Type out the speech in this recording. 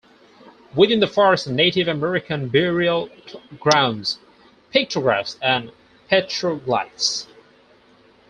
Within the forest are Native American burial grounds, pictographs and petroglyphs.